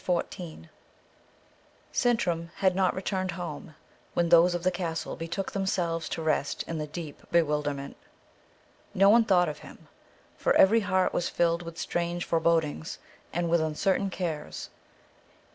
CHAPTER 14 Sintram had not returned home, when those of the castle betook themselves to rest in deep bewilderment. No one thought of him, for every heart was filled with strange forebodings, and with uncertain cares.